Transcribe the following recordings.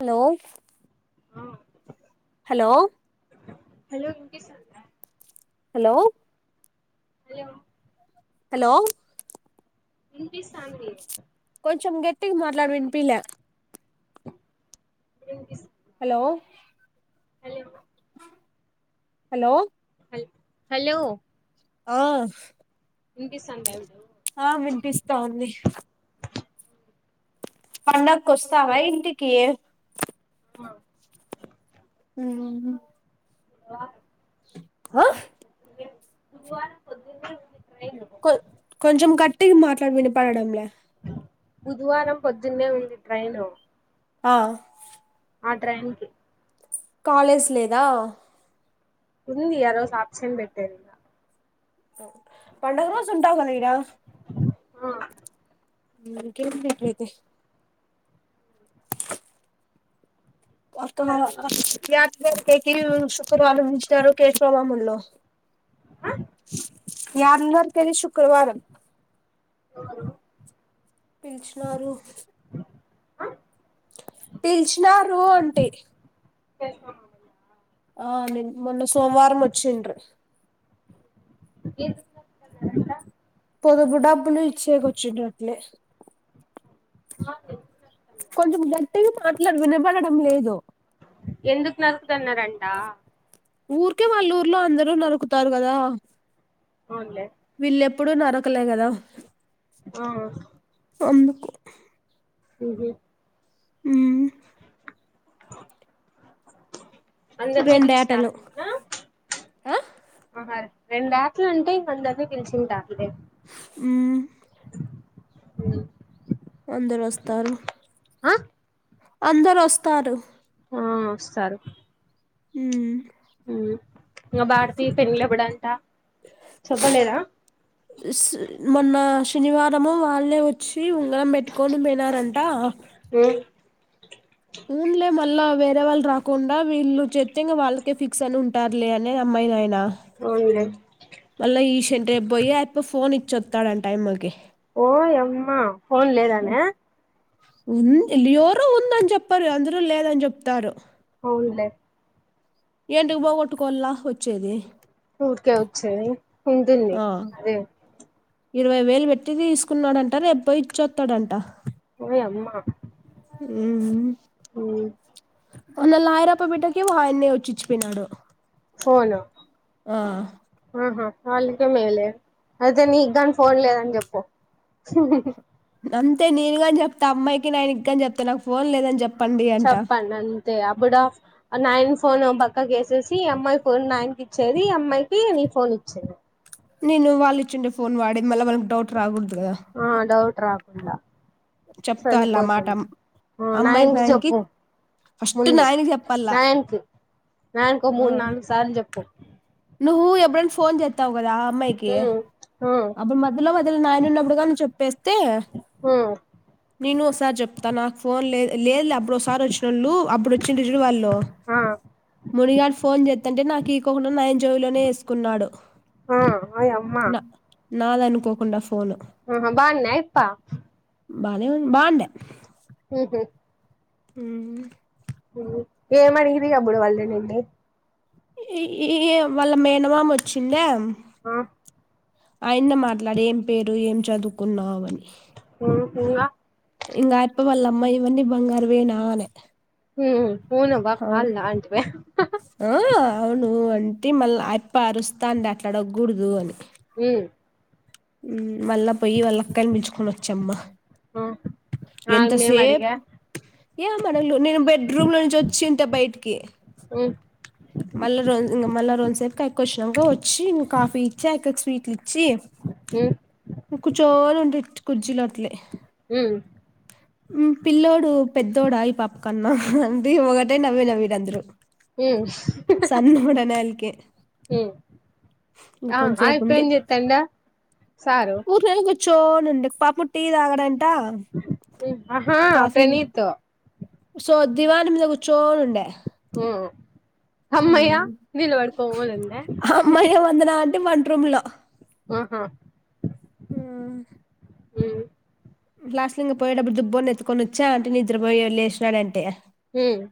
Hello ఆ hello hello వినిపిస్తుందా hello hello hello పిస్తాంది టిగా మాట్లాడు వినిపిలే ఇప్పుడు వినిపిస్ హలో హలో హలో హలో ఆ వినిపిస్తాందా ఇప్పుడు ఆ వినిపిస్తా ఉంది పండగ కొస్తావ ఇంటికి ఉహు ఆ హ బుధవారం పొద్దున్నే ఉంది ట్రైన్ కొ కొంచం గట్ ట్టిగా మాట్లాడు వినపడడంలే బుధవారం పొద్దున్నే ఉంది ట్రెయిను ఆ ఆ ట్రైన్ కి కాలేజ్ లేదా ఉంది ఆరోజు ఆబ్సెంట్ పెట్టేస్తా పండగ రోజు ఉంటావు కదా ఈడా ఆ ఇంకేం అట్లయితే సరుకులు తెచ్చినారా [unintelligible] శుక్రవారం వచ్చినారు కేశవ మామోళ్ళు ఆ [unintelligible] దరి తని శుక్రవారం ఎవరు పిలిచునరు ఆ పిల్చు నరూ అంటి ప్రష్ [unintelligible] ఆ ని మొన్న సోమవారం ముచ్చండ్రు ఎందుకు నరుకుతన్నారంట పొదుపు డబ్బులు ఇచ్చేకొచ్చినట్లే ఆ కొంచం టి మాట్లాడ వినబడడం లేదు ఎందుకు నరుకుతున్నారం ఆ ఊరికే వాళ్ళ ఊర్లో అందరు నరుకుతారు కదా అవునులే ప్పుడు నరకలే కదా ఆ అందుకు ఉహు ఊ అందర్ని రెండేటలు బిలిసినారంటానా ఆ మహ రెండట్లు అంటే ఇంక అందరినీ పిలిచింటర్లే ఊ అ అందరు ఒస్తారు ఆ అందరు ఒస్తారు ఆ ఒస్తారు ఊ ఇంగ భారతి పెండ్లెప్పుడంట చెప్పలేదా ఉస్ మొన్న శనివారము వాళ్ళే వచ్చ శీ ఉంగరం బెట్టుకోని పోయినారంటా ఉమ్ ఊలే మ అళ్లా వేరే వాళ్ళు రాకుండా వీళ్ళు చెత్త ఇంగా వాళ్ళకే ఫిక్స్ అని ఉంటారులే అనే అమ్మాయి నా అవునులే మళ్ల ఈ ష్ సంట రేపు పోయి అయిపో ఫోన్ ఇచ్చ ఒత్తడంటైమ్కి ఓ యమ్మా ఫోన్ లేదాన ఉంది ఎవరు ఉందని చెప్పరు అందరు లేదని చెప్తారు అవున్లే ఏంటికి పోగొట్టుకోలా వచ్చేది ఊరికే వచ్చేది ఉంటుంది ఆ అదే ఇరవై వేలు పెట్టి తీసుకున్నాడంట రేపొయ్యి ఇచ్చొత్తడంట ఓయ్ అమ్మా ఉమ్ మ్ మొన్న లాయర్అప్ప బిడ్డకి ఆయన్నే వచ్చి ఇచ్చిపోయినాడు ఫోను ఆ ఆహా వాళ్ళకే మేలే అయితే నీ కాని ఫోన్ లేదని చెప్పు అంతే నేనుగాని చెప్త అమ్మాయికి నాయనికి గాని చెప్తా నాకు ఫోన్ లేదని చెప్ చెప్పండి అంతే అప్పుడ నైన్ ఫోన్ ఓ పక్కకేసేసి అమ్మాయి ఫోన్ నైన్ కిచ్చేది అమ్మాయికి నీ ఫోన్ ఇచ్చేది నేను వాళ్ళు ఇచ్చిండే ఫోన్ వాడి మళ్ళీ మన డౌట్ రాగుడదు కదా ఆ డౌట్ రాకుండా చెప్తా అలా మాట సరిపోతుంది నాయిన అమ్మాయికి కి ఆయనకి చెప్పు ఫస్ట్ ముందు నాయనకి చెప్పాల నాయన్ కి నయన్కు ఓ మూడు నాలుగు సార్లు చెప్పు నువ్వు ఎ ఎప్పుడైన ఫోన్ చేస్తావు కదా అమ్మాయికి ఉమ్ ఉమ్ అప్పుడు మధిలో మధిలో నాయను ఉన్నప్పుడు గాని చెప్పేస్ అంతే ఉమ్ నేను ఒకసారి చెప్తా నాకు ఫోన్ లే లేదు లే అప్పుడు ఒకసారి వచ్చినోళ్ళు అప్పుడు వచ్చిన్రు చూడు వాళ్ళు ఆ మునిగాడు ఫోన్ చేస్తాంటే నాకు ఈకోకుండా నాయన్ లోనే వేసుకున్నాడు ఆ ఓయమ్మ నా నాదనుకోకుండా ఫోను ఆహా బాన్నె ఆయప్ప బానేవు బాండె ఉహ్మ్ హ్మ్ ఏమడిగిరి అప్పుడు వాళ్ళు నిన్ని ఈ వాళ్ళ మేనమామ్ వచ్చిండె ఆ ఆయన్న మాట్లాడి ఏం పేరు ఏం చదువుకున్నావని ఇంకా ఇంకా ఆయప్ప వాళ్ళ అమ్మ ఇవన్నీ బంగారు వేనా అనే హ్మ్ అవును బ కాల్లె అంటివే ఆ అవును అంటి మళ్ళీ అయప్ప అరుస్తా అండి అట్లాడకూడదు అని మ్మ్ ఉ మళ్ళ పోయి వాళ్లకైని పిల్చుకొని వచ్చమ్మ. ఆ ఆ ఎంత మేము సేప్ అడిగా ఏంమడగల నేను బెడ్రూమ్ లో నుంచి వచ్చి ట్ట బయటికి ఉమ్ మల్లి రోజు ఇంగ మల్ల రోంసేప్ కె కుషాంగే చ్చి ఇంగ్ కాఫీ ఇచ్చ ఇక్కచ్ పీట్లిచ్చి ఉమ్ కుచోనుంటి ఇట్ కుజ్జిలొ అట్లే ఉ హ్మ్ పిల్లోడు పెద్దోడా ఈ పాప కన్నా అంటే, ఒకటే నవ్వే నవ్విర్ అందరు. హ్మ్ వాళ్ళకే హు అవు ఆ ఇప్పుడెం చేత్తాండ నోట్లో ఎలక్ పె చోన్ ఉండి పాప్ ము టీ తాగడానిక్ హు అహ తెలితు సో దివాన్ మీద కూచోన్ ఉండ ఓ హమ్మయ్య నిలవడుకో నుండ. వంట్ రూమ్లో ఆహా ఆ హ్మ్ లాస్ట్ లొ ఇంగ పోయేడప్పుడు దుబ్బొన్నెత్తుకొని వచ్చా ఆంటీ నిద్రపోయాడ్ లేసినాడంటె. ఉమ్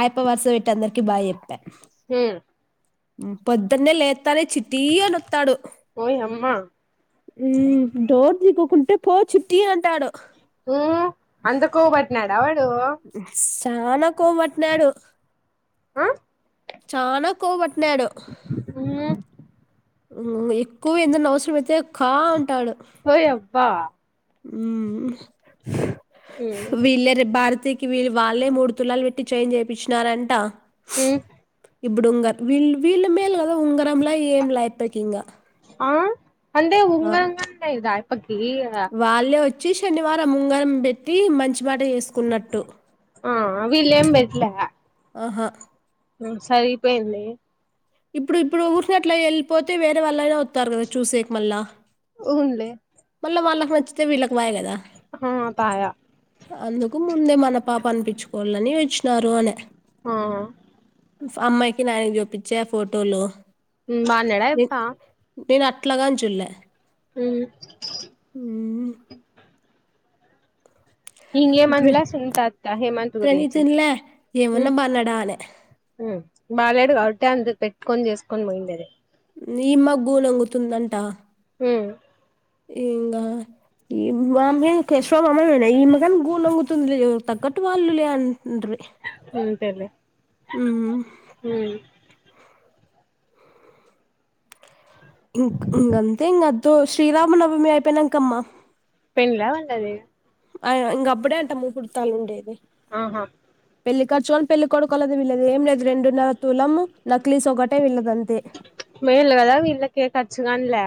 ఆయప్ప వరస బెట్టి అందరికి బాయ్ చెప్ప. హ్మ్మ్ పొద్దున్నే లేత్తనె చిట్టీ అనొత్తాడు. ఓయమ్మ ఊ డోర్ తీకోకుంటే పో చిట్టీ అంటాడు ఊ అంత కొవ్ బట్నాడ వడ్ బస్ చాన కొవ్ బట్నాడు. ఆ చాన కొవ్ బట్ న్యాడు. ఉమ్ ఉం ఎక్కువ ఏందన్న అవసరం అయితే కాఅంటాడు ఓయబ్బా ఉ ఉమ్ వీళ్ళరి భారత్ కి వీ వాళ్ళే మూడు తులాలు పెట్టి చైను చేపించినరుఅంట ఏ ఇప్పుడు ఉంగారు వీళ్ వీళ్ళు మేల్ కదా ఉంగరమ్లా ఏం లేయితకీం గల ఆ అంటే ఉంగరం అంత ఇదాయ్ ఈ ఇగ వాళ్ళే వచ్చి శనివారం ఉంగరం పెట్టి మంచి మాట చేసుకున్నట్టు ఆ వీళ్ళేం పెట్టాలా ఇక ఆహా సరిపోయింది ఇప్పుడు ఇప్పుడు ఊరిసినట్ల వెళ్ళిపోతే వేరే వాళ్ళయినా వత్త తారు కదా చూసేక మళ్ళ ఊన్లే వాళ్ళకు నచ్చితే వీళ్ళకు కు కదా అందుకు ముందే మన పాప అనిపించుకోవాలని వచ్చి నారువానే ఆ అమ్మాయికి నా చూపించే ఆ ఫోటోలు బాన్నడ య్ నే ప్పా నేను అట్లాగా న్ చుల్లే హ ప్ర హింగేమన్ల సుంత అత్త హేమంత్ గురించి ప్రణీతున్లే ఏమన్నా బన్నాడా అనే బాలాడు గటే అందు పెట్ కొని చేసుకొని పోయిందది నిీమగ్గుూ నంగుతుందంట హ ఇంకా ఈ మామె కషో మామనా ఈమెకని గూంగుతుంది తగ్గటు వాళ్ళు లే అని ఉండ్రి అంతేలే ఉ హ్మ్ ఇం ఇంగంతే ఎ తో శ్రీరామ్న్నవ మీ అయిపోయినాంక అమ్మా ఎంలా వండది అ ఇంక అప్పుడే అంటాముూహుర్తాలు ఉండేది ఆహా పెళ్లి కర్చుొని పెళ్లి కొొడకలదుీళ్లేదు ఏం లేదు రెండు నర తూలము నక్లీస్ ఒకటేీళ్లదండి మేల్ కదా వీళ్ళ కేక వచ్చుగాన్లే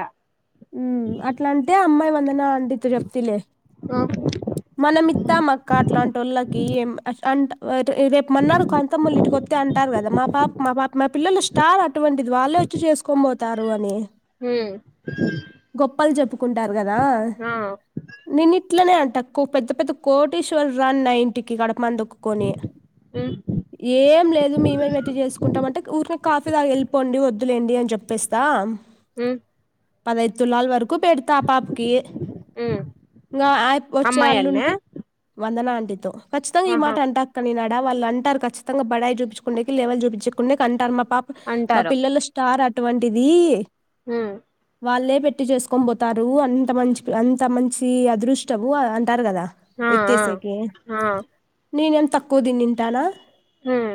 టే వందనాల్ పడితే చెప్తిలీ ఆ మనం మీ త్తామక్క అట్లాంటోల్లకి ఏం అట్ల ఆన్ ఏ రేపు మన్నారు కాంతమోల్లిటికొత్ అయితే అంటారు కదా మా పాప మా పాప మా పిల్లలు స్టార్ అటువంటిది వాళ్ళే వచ్చి చేసుకోనీపోతారు అని హు గొప్పలు చెప్పుకుంటారు కదా ఆ నిన్ ఇట్లనే అంట పెద్ద పెద్ద కోటేశ్వరని నా ఇంటికి గడ మందుక్కొని హ్మ్ ఏం లేదు మేమే బేట్టి చేసుకుంటాంటే ఊరి కాఫీ తాగి వెళ్ళిపోండి వద్దులేండి అని చెప్పేస్తా ఉహ్ పదిఐయిదూ తులాల్ వరకు ఉక్కు పెడతా ఆ పాపకి హ్మ్ ఇంకా వచ్చే అమ్మాయన్నే అల్లునికి వందన అంట తో ఖచ్చితంగా ఈ ఆహా మాట అంటాక్కని నా వాళ్ళు అంటారుఖచ్చితంగా బడాయి చూపుకోనికి లేవల్ చూపించు కునికి అంటారు మా పాప్ మా అంటారు పిల్లలు స్టార్ అటువంటిది హ్మ్ వాళ్ళే పెట్టి చేసుకొని పోతారు అంత మంచి అంత మంచి అదృష్టము టారు కదా ఆ ఆ ఎత్తేసేకి ఆ నేను ఏం తక్కువ తినింతనా హ్మ్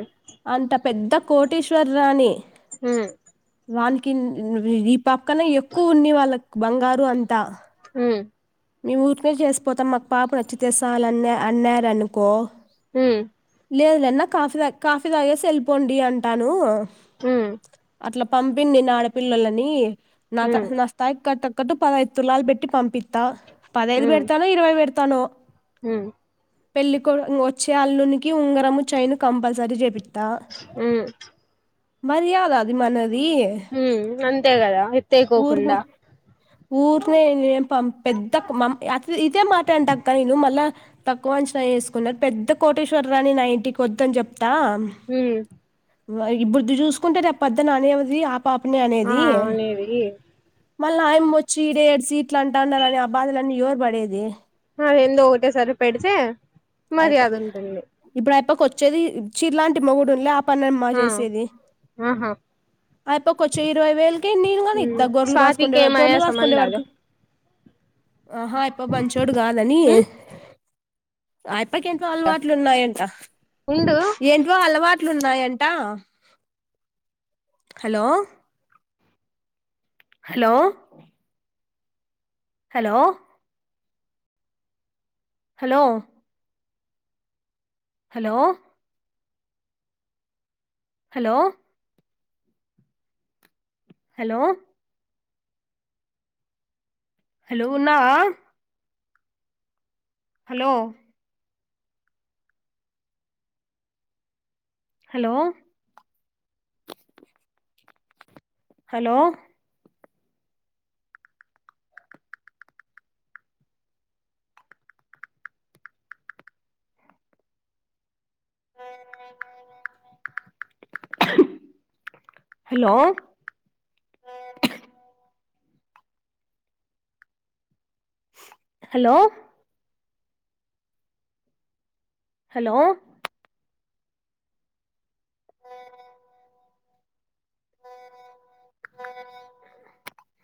అంత పెద్ద కోటీశ్వర రాణి హ్మ్ వాళ రకిన్ రీ రీ పా పా కన్న ఎక్కువ ఉంది వాళ్ళకి బంగారు అంతా హ్మ్ మేము ఊరికే చేసిపోతాం మాకు పాప నచ్చితేసాలన్న అన్నా అన్నారనుకో హు లేదులేన్న కాఫీ తా కాఫీ తాగేసి వెళ్ళిపోండి అంటాను హ్మ్ అట్లా పంపిందినాడపిల్లలని నాక్ ఉమ్ నస్తాయ కట్టాకట్టు పదఐదు తులాలు పెట్టి పంపితా పదైదు పెడతా ఇరవై పెడతను తను హు పెళ్ళి కోడు వచ్చే అల్లునికి ఉంగరము చైను కంపల్స సరి చేపిత్త మర్యాద అది మనది హ్మ్ అంతేగదా ఊర్ క్ ఊర్నే ఏం పే పెద్ద మ అ ఇదే మాట అంటక్క నేను లా తక్కువ అంచనా చేసుకున్నార్ పెద్ద కోటేశ్వర్, రా నేన్ ఆ ఇంటి కి వద్ అని చెప్. దాం ఉమ్ వాయ్ ఇప్పుడిది చూసుకుంటే రేప్ పొద్దన అనేవ్ ది ఆప్ ఆ పాప నే ఆ అనేది అనేది మళ్ళీ ఆయమ్ వచ్చి ఇడే ఏడ్సీ ఇట్లు అంటాన్నారని ని ఆ బాధలన్నీ ఎవర్ పడేది ఆది ఏందో ఓకటే సారీ పెడితే మర్యాద ఉంటుంది కి వచ్చేది చ్చిలాంటి మోగుడు ఉండలే పన్నమ్మా ఆ చేసేది ఆహా అయిపోకి వచ్చే ఇరవై వేలు ఎన్ని నుగానీ ఇత్త ఉమ్ గొల్లుగాస కుండే స్వాతికి వ గ ఏమయ్యా గురలుగాస కుండే సంబంధాలు వరకు ఆహా ఇప్ప మంచోడు కాదని ఉమ్ అ అప్పక ఎంటో అలవాట్లు ఉన్నాయంట ఉండు ఏంటో అలవాటు ట్లున్నాయంట hello hello hello hello hello hello hello hello ఉన్నా hello hello hello hello hello hello అ బరేరే